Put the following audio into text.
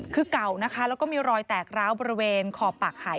คือเก่านะคะแล้วก็มีรอยแตกร้าวบริเวณขอบปากหาย